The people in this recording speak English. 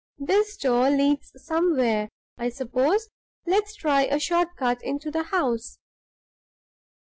This door leads somewhere, I suppose; let's try a short cut into the house.